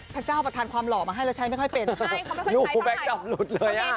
พระเจ้าประทานความหล่อมาให้แล้วใช้ไม่ค่อยเป็นใช่ต้องแข่ง